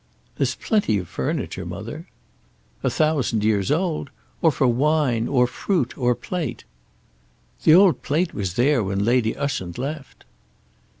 "There's plenty of furniture, mother." "A thousand years old. Or for wine, or fruit, or plate." "The old plate was there when Lady Ushant left."